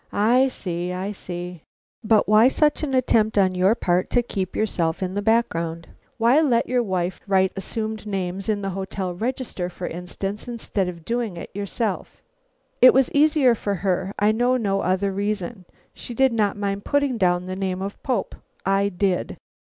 "I see, I see; but why such an attempt on your part to keep yourself in the background? Why let your wife write your assumed names in the hotel register, for instance, instead of doing it yourself?" "It was easier for her; I know no other reason. She did not mind putting down the name Pope. I did."